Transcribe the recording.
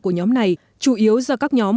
của nhóm này chủ yếu do các nhóm